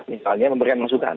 misalnya memberikan masukan